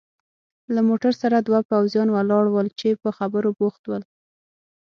له موټر سره دوه پوځیان ولاړ ول چې په خبرو بوخت ول.